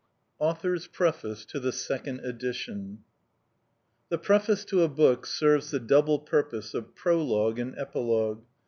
APPENDIX PREFACE TO THE SECOND EDITION (By the Author) THE preface to a book serves the double purpose of prologue and epilogue.